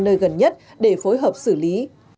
nơi gần nhất để phối hợp xử lý